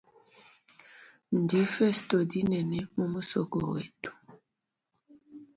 Ndifesto dinene mu musoko wetu.